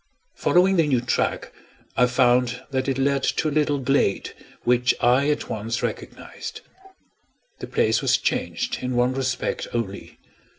Following the new track, I found that it led to a little glade which I at once recognized. The place was changed in one respect only.